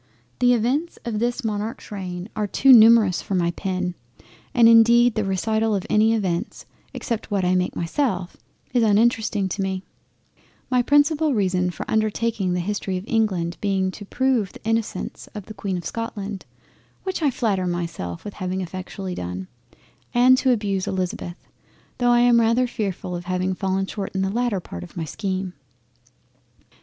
The Events of this Monarch's reign are too numerous for my pen, and indeed the recital of any Events (except what I make myself) is uninteresting to me; my principal reason for undertaking the History of England being to Prove the innocence of the Queen of Scotland, which I flatter myself with having effectually done, and to abuse Elizabeth, tho' I am rather fearful of having fallen short in the latter part of my scheme.